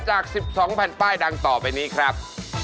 จาก๑๒แผ่นป้ายดังต่อไปนี้ครับ